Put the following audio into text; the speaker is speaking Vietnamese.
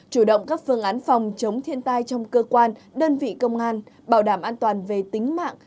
chủ động các phương án phòng chống thiên tai trong cơ quan đơn vị công an bảo đảm an toàn về tính mạng